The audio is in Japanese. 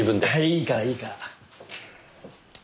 いいからいいから。